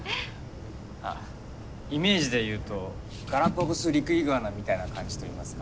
イメージで言うとガラパゴスリクイグアナみたいな感じといいますか。